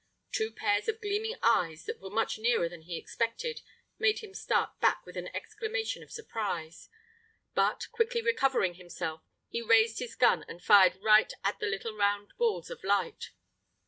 Two pairs of gleaming eyes that were much nearer than he expected made him start back with an exclamation of surprise. But, quickly recovering himself, he raised his gun and fired right at the little round balls of light.